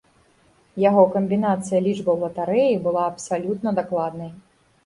Яго камбінацыя лічбаў латарэі была абсалютна дакладнай.